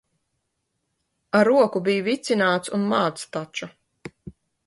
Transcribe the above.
Ar roku bija vicināts un māts taču.